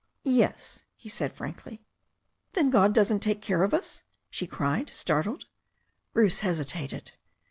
"Yes," he said frankly. "Then God doesn't take care of us ?" she cried, startled. Bruce hesitated.